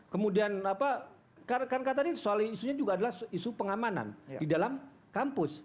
kemudian soal isunya juga adalah isu pengamanan di dalam kampus